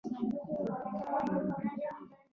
دغه پېښې زبېښونکو بنسټونو عواقب را په ګوته کوي.